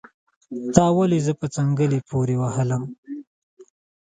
تا ولې زه په څنګلي پوري وهلم